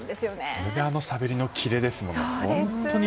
それであのしゃべりのキレですもんね。